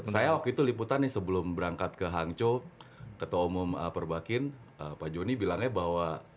saya waktu itu liputan nih sebelum berangkat ke hangzhou ketua umum perbakin pak joni bilangnya bahwa